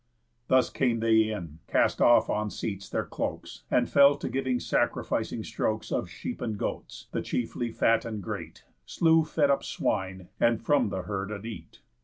Thus came they in, cast off on seats their cloaks, And fell to giving sacrificing strokes Of sheep and goats, the chiefly fat and great, Slew fed up swine, and from the herd a neat.